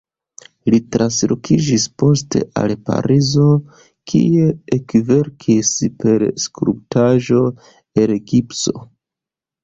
Li translokiĝis poste al Parizo kie ekverkis per skulptaĵo el gipso.